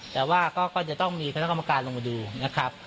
แต่ว่าก็จะต้องมีคณะกรรมการลงมาดูนะครับ